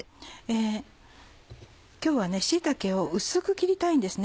今日は椎茸を薄く切りたいんですね。